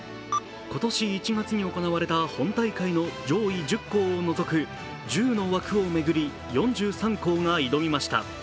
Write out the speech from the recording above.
今年１月に行われた本大会の上位１０校を除く１０の枠を巡り４３校が挑みました。